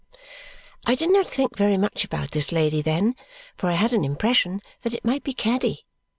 I did not think very much about this lady then, for I had an impression that it might be Caddy.